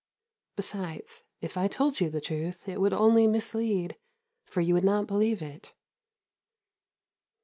Besides, if I told you the truth it would only mislead, for you would not believe it.